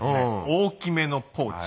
大きめのポーチ。